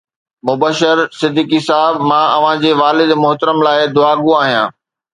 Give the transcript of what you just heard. مبشر صديقي صاحب، مان اوهان جي والد محترم جي لاءِ دعاگو آهيان